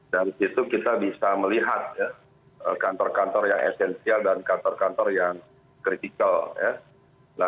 dari situ kita bisa melihat kantor kantor yang esensial dan kantor kantor yang kritikal